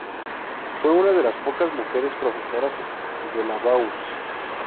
Fue una de las pocas mujeres profesoras de la Bauhaus.